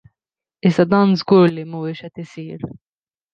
Issa dan żgur li mhuwiex qed isir.